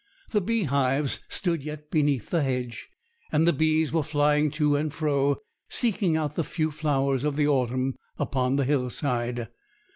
The beehives stood yet beneath the hedge, and the bees were flying to and fro, seeking out the few flowers of the autumn upon the hillside.